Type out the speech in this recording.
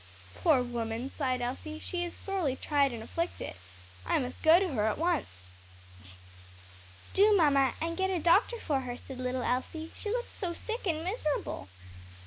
"Poor woman!" sighed Elsie, "she is sorely tried and afflicted. I must go to her at once." "Do, mamma, and get a doctor for her," said little Elsie; "she looked so sick and miserable."